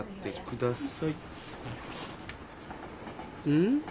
うん？